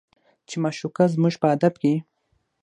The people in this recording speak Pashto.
چې معشوقه زموږ په ادب کې